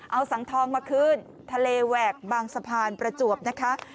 เอาสังทองมาขึ้นทะเลแหวกบางสะพานประจวบนะคะ